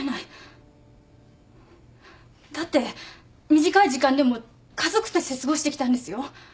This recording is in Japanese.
だって短い時間でも家族として過ごしてきたんですよ。